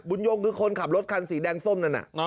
ยงคือคนขับรถคันสีแดงส้มนั่นน่ะ